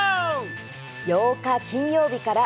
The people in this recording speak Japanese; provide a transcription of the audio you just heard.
８日、金曜日から